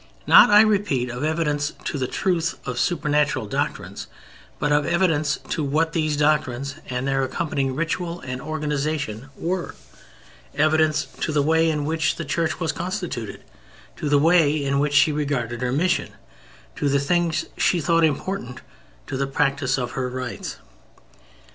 Not, I repeat, of evidence to the truth of supernatural doctrines, but of evidence to what these doctrines and their accompanying ritual and organization were: evidence to the way in which the Church was constituted, to the way in which she regarded her mission, to the things she thought important, to the practice of her rites.